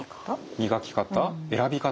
磨き方選び方。